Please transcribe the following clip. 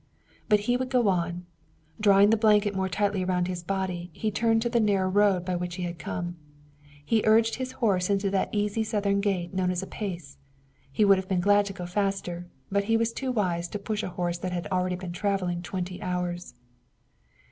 But he would go on. Drawing the blanket more tightly around his body, he turned into the narrow road by which he had come, and urged his horse into that easy Southern gait known as a pace. He would have been glad to go faster, but he was too wise to push a horse that had already been traveling twenty hours.